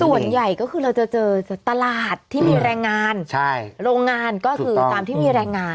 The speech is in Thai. ส่วนใหญ่ก็คือเราจะเจอตลาดที่มีแรงงานโรงงานก็คือตามที่มีแรงงาน